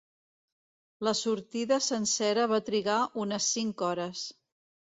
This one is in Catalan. La sortida sencera va trigar unes cinc hores.